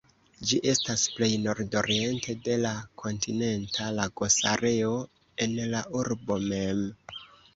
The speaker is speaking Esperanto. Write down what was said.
Ĝi estas plej nordoriente de la Kontinenta Lagosareo en la urbo mem.